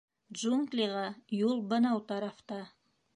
— Джунглиға юл бынау тарафта.